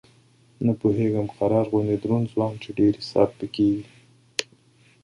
نه پوهېږم قرار غوندې دروند ځوان چې ډېر ستر حساب پرې کړی.